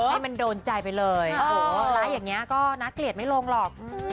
ให้มันโดนใจไปเลยโอ้โหร้ายอย่างนี้ก็น่าเกลียดไม่ลงหรอก